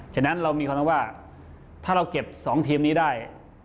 ฉะนั้นเรามีความรู้ว่าถ้าเราเก็บ๒ทีมนี้ได้